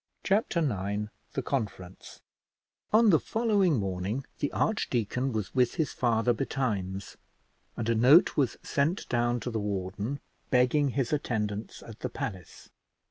Chapter IX THE CONFERENCE On the following morning the archdeacon was with his father betimes, and a note was sent down to the warden begging his attendance at the palace.